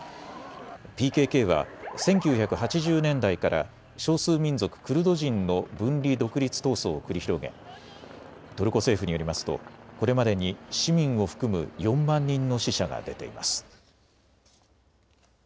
ＰＫＫは１９８０年代から少数民族クルド人の分離独立闘争を繰り広げトルコ政府によりますとこれまでに市民を含む４万人の死者が出ています。